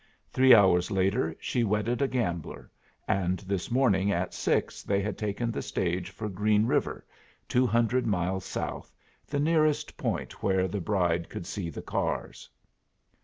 Three hours later she wedded a gambler, and this morning at six they had taken the stage for Green River, two hundred miles south, the nearest point where the bride could see the cars.